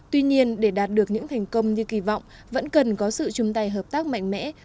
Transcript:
tuy nhiên để đạt được những thành công như kỳ vọng vẫn cần có sự chung tay hợp tác mạnh mẽ